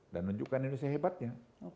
dan menunjukkan indonesia hebatnya